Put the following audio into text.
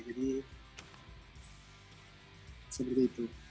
jadi seperti itu